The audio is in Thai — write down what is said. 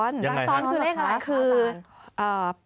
รักษรคือเลขอะไรค่ะ